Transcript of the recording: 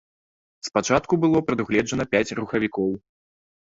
Спачатку было прадугледжана пяць рухавікоў.